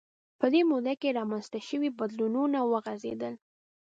په دې موده کې رامنځته شوي بدلونونه وغځېدل